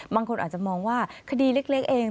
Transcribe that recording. บางคนอาจจะมองว่าคดีเล็กเอง